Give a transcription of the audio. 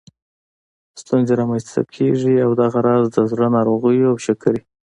ستونزې رامنځته کېږي او دغه راز د زړه ناروغیو او شکرې